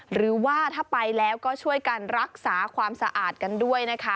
หรือว่าถ้าไปแล้วก็ช่วยกันรักษาความสะอาดกันด้วยนะคะ